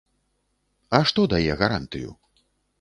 А што дае гарантыю?